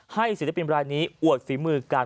ให้ศิลบินรายนี้อวดฝีมือการ